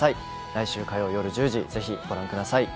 来週火曜よる１０時ぜひご覧ください